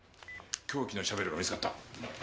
凶器のシャベルが見つかった。